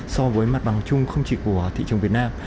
so với mặt bằng chung không chỉ của thị trường việt nam